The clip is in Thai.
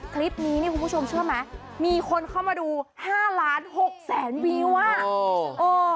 คลิปนี้เนี่ยคุณผู้ชมเชื่อไหมมีคนเข้ามาดูห้าล้านหกแสนวิวอ่ะ